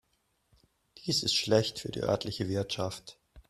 Dies ist schlecht für die örtliche Wirtschaft.